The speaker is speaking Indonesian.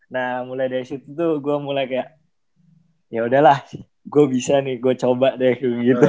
nah mulai dari situ tuh gue mulai kayak yaudahlah gue bisa nih gue coba deh gitu